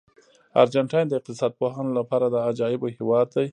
ارجنټاین د اقتصاد پوهانو لپاره د عجایبو هېواد دی.